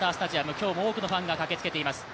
今日も多くのファンが駆けつけています。